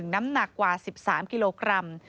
น้ำหนักกว่า๑๓กิโลกรัม